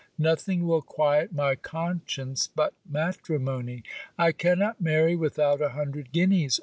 Nothing will quiet my conscience but matrimony. I cannot marry without a hundred guineas.